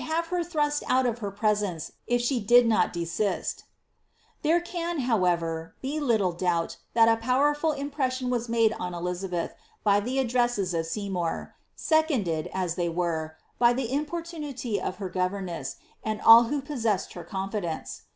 e her thrust out oi her presence if she did not desisL^^ There can, however, be little doubt that a powerful impression was made on Eliabeth by the addresses of Seymour, seconded, as they were, by the importunity of her governess, and all who possessed her confidence.